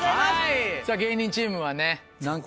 さぁ芸人チームはね何か。